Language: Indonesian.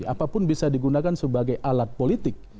apapun bisa digunakan sebagai alat politik